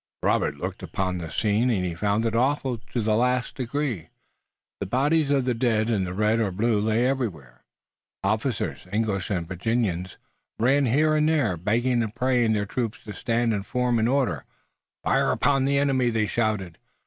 Robert looked upon the scene and he found it awful to the last degree. The bodies of the dead in red or blue lay everywhere. Officers, English and Virginian, ran here and there begging and praying their troops to stand and form in order. "Fire upon the enemy!" they shouted.